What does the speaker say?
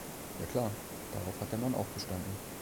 Ja klar, darauf hat der Mann auch bestanden.